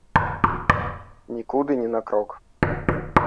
Нікуды ні на крок!